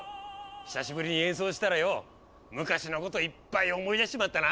久しぶりに演奏したらよ昔のこといっぱい思い出しちまったな。